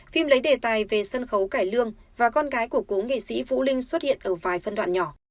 phim lấy đề tài về sân khấu cải lương và con gái của cố nghệ sĩ vũ linh xuất hiện ở vài phân đoạn nhỏ